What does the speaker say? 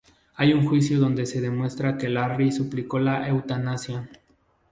Hay un juicio donde se demuestra que Larry suplicó la eutanasia.